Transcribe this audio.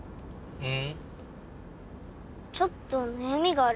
うん！